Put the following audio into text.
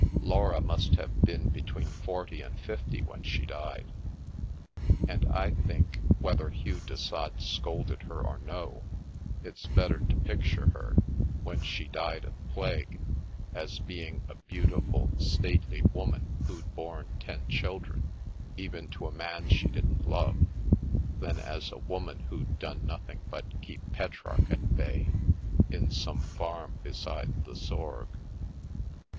Laura must have been between forty and fifty when she died. And I think, whether Hugh de Sade scolded her or no, it's better to picture her, when she died of plague, as being a beautiful, stately woman Via Amoris who'd borne ten children, even to a man she didn't love, than as a woman who'd done nothing but keep Petrarch at bay, in some farm beside the Sorgue."